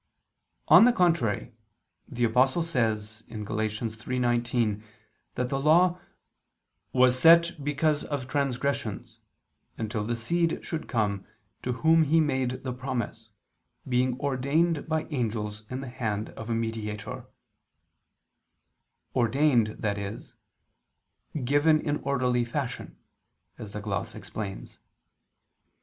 On the contrary, The Apostle says (Gal. 3:19) that the Law "was set because of transgressions, until the seed should come, to whom He made the promise, being ordained by angels in the hand of a Mediator": ordained, i.e. "given in orderly fashion," as the gloss explains.